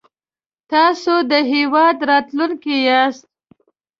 تاسو د هېواد راتلونکی ياست